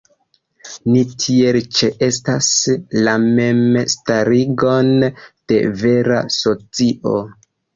Ni tiel ĉeestas "la mem-starigon de vera socio".